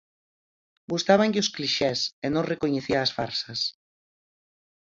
Gustábanlle os clixés e non recoñecía as farsas.